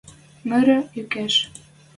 Мыры юкеш